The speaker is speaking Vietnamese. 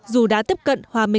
dù đã tiếp cận hòa bán